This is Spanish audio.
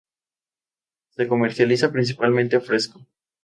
Se comercializa principalmente fresco